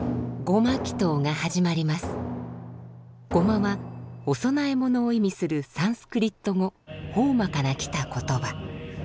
「ゴマ」はお供え物を意味するサンスクリット語「ホーマ」からきた言葉。